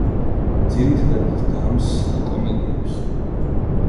ძირითადად დგამს კომედიებს.